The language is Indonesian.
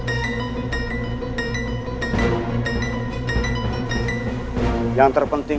aku harus menjalankan tugas dari saudara kita